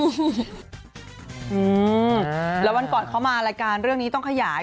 อืมแล้ววันก่อนเขามารายการเรื่องนี้ต้องขยาย